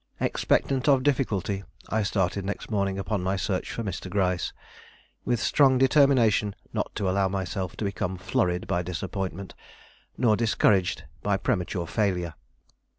Expectant of difficulty, I started next morning upon my search for Mr. Gryce, with strong determination not to allow myself to become flurried by disappointment nor discouraged by premature failure.